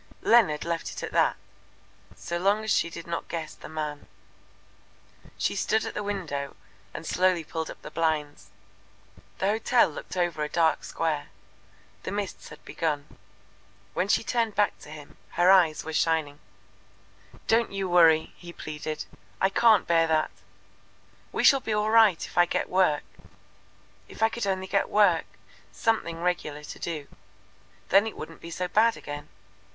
Leonard left it at that so long as she did not guess the man. She stood at the window and slowly pulled up the blinds. The hotel looked over a dark square. The mists had begun. When she turned back to him her eyes were shining. "Don't you worry," he pleaded. "I can't bear that. We shall be all right if I get work. If I could only get work something regular to do. Then it wouldn't be so bad again.